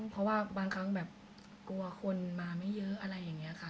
เพราะว่าบางครั้งแบบกลัวคนมาไม่เยอะอะไรอย่างนี้ค่ะ